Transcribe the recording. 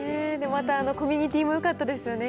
また、あのコミュニティもよかったですよね。